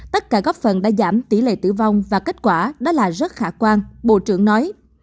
tất cả góp phần đã giảm tỷ lệ tử vong và kết quả đó là rất khả quan bộ trưởng nói